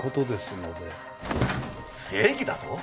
正義だと？